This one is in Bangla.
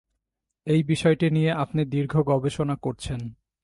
এই বিষয়টি নিয়ে আপনি দীর্ঘদিন গবেষণা করছেন।